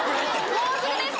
もうすぐです。